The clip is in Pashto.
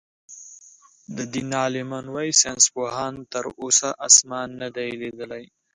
د دين عالمان وايي ساينسپوهانو تر اوسه آسمان نۀ دئ ليدلی.